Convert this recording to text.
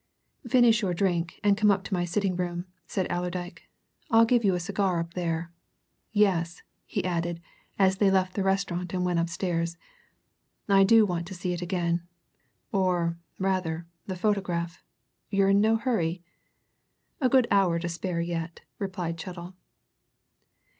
"Finish your drink and come up to my sitting room," said Allerdyke. "I'll give you a cigar up there. Yes," he added, as they left the restaurant and went upstairs. "I do want to see it again or, rather, the photograph. You're in no hurry?" "A good hour to spare yet," replied Chettle.